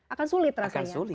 akan sulit rasanya